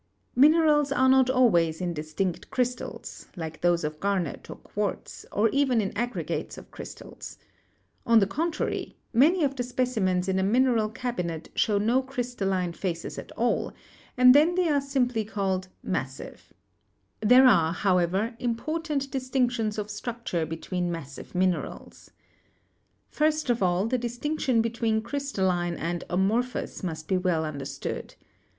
Minerals are not always in distinct crystals, like those of garnet or quartz, or even in aggregates of crystals. On the contrary, many of the specimens in a mineral cabinet show no crystalline faces at all, and then they are simply called 'massive/ There are, however, important distinc tions of structure between massive minerals First of all, the distinction between 'crystalline' and 'amorphous' must be well understood.